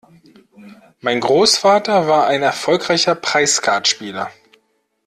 Mein Großvater war ein erfolgreicher Preisskatspieler.